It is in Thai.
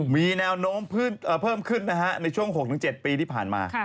มีแนวโน้มเพิ่มขึ้นนะฮะในช่วง๖๗ปีที่ผ่านมา